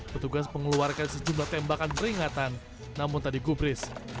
petugas mengeluarkan sejumlah tembakan peringatan namun tak digubris